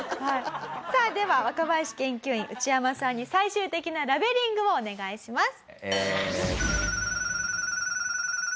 さあでは若林研究員ウチヤマさんに最終的なラベリングをお願いします。